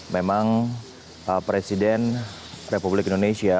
memang presiden republik indonesia